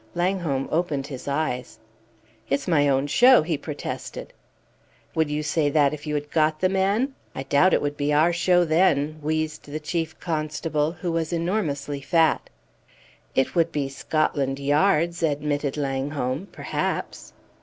Langholm opened his eyes. "It's my own show," he protested. "Would you say that if you had got the man? I doubt it would be our show then!" wheezed the Chief Constable, who was enormously fat. "It would be Scotland Yard's," admitted Langholm, "perhaps."